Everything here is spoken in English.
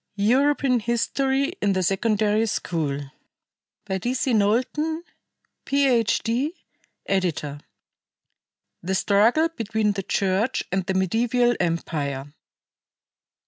European History in the Secondary School D. C. KNOWLTON, PH.D., Editor. THE STRUGGLE BETWEEN THE CHURCH AND THE MEDIEVAL EMPIRE.